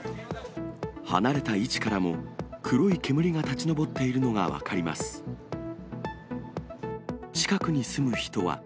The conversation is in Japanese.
離れた位置からも、黒い煙が立ち上っているのが分かります。